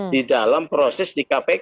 di dalam proses di kpk